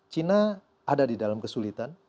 cina ada di dalam kesulitan